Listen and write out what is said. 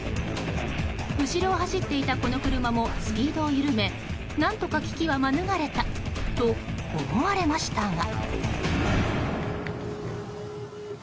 後ろを走っていたこの車もスピードを緩め何とか危機は免れたと思われましたが。